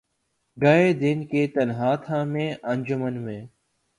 گئے دن کہ تنہا تھا میں انجمن میں